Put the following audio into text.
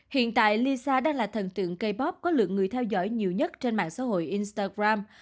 hiện tại lisa đang là thần tượng cây bop có lượng người theo dõi nhiều nhất trên mạng xã hội instagram